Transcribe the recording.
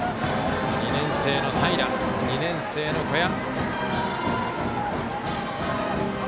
２年生の平と２年生の小矢。